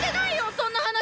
そんな話！